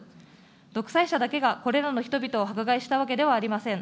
独裁者だけがこれらの人々を迫害したわけではありません。